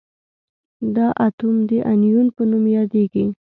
دا اتوم د انیون په نوم یادیږي.